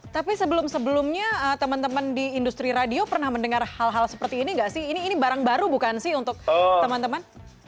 tapi sebelum sebelumnya teman teman di industri radio pernah mendengar hal hal seperti ini nggak sih ini barang baru bukan sih untuk teman teman